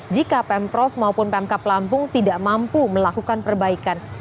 jika pemprov maupun pemkap lampung tidak mampu melakukan perbaikan